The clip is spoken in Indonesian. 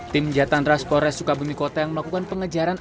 tim jatandras polres sukabumi kota yang melakukan pengejalanan